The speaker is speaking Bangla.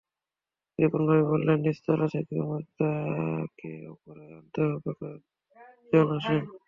রিপন ভাই বললেন, নিচতলা থেকে মুর্দাকে ওপরে আনতে হবে, কয়েকজন আসেন।